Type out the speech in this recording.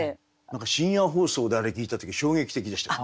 何か深夜放送であれ聴いた時衝撃的でした。